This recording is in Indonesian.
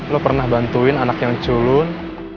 lo pernah bantuin anak yang culun